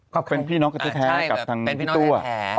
ก็เป็นพี่น้องกันแท้กับทางพี่ตัว